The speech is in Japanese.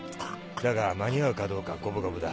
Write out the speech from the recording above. だが間に合うかどうか五分五分だ